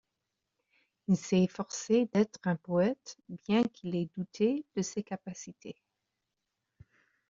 Il s'est efforcé d'être un poète, bien qu'il ait douté de ses capacités.